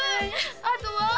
あとは？